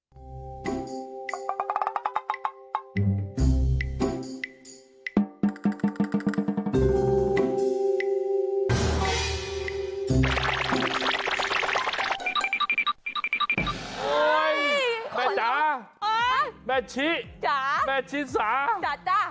โอ้ยแม่ดาแม่ชิแม่ชิสาจ๊ะจ๊ะ